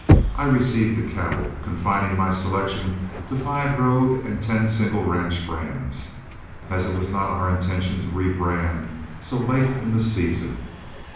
I received the cattle, confining my selections to five road and ten single ranch brands, as it was not our intention to rebrand so late in the season.